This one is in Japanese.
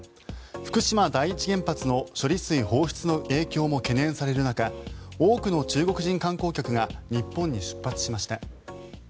福島第一原発の処理水放出の影響も懸念される中多くの中国人観光客が日本に出発しました。